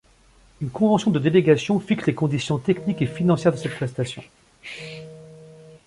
Une convention de délégation fixe les conditions techniques et financières de cette prestation.